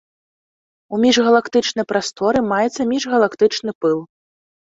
У міжгалактычнай прасторы маецца міжгалактычны пыл.